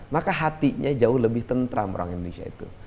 maka hatinya jauh lebih tentram orang indonesia itu